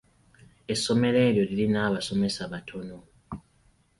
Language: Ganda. Essomero eryo lirina abasomesa batono.